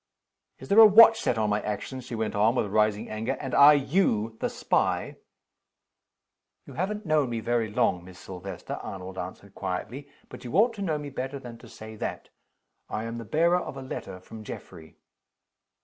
"Is there a watch set on my actions?" she went on, with rising anger. "And are you the spy?" "You haven't known me very long, Miss Silvester," Arnold answered, quietly. "But you ought to know me better than to say that. I am the bearer of a letter from Geoffrey."